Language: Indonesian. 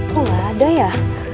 kok nggak ada ya